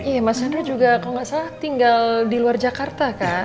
iya mas chandra juga kalo gak salah tinggal di luar jakarta kan